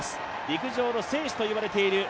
陸上の聖地といわれている